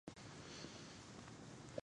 هغه د زړه له جوشه لنډۍ وایي.